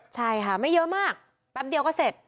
ใช่ค่ะไม่เยอะมากแป๊บเดียวก็เสร็จ